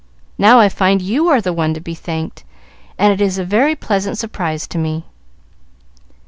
Now I find you are the one to be thanked, and it is a very pleasant surprise to me."